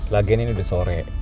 lagian ini udah sore